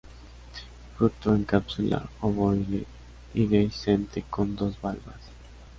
Fruto en cápsula ovoide y dehiscente con dos valvas.